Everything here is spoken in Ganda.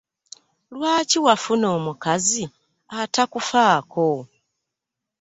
Lwaki wafuna omukazi atakufaako?